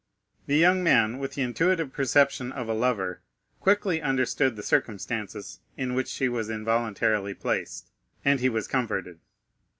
The young man, with the intuitive perception of a lover, quickly understood the circumstances in which she was involuntarily placed, and he was comforted.